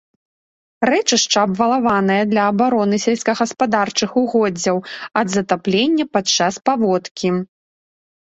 Рэчышча абвалаванае для абароны сельскагаспадарчых угоддзяў ад затаплення падчас паводкі.